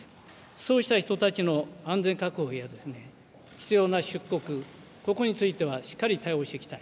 そうした人たちの安全確保や必要な出国、ここについてはしっかり対応していきたい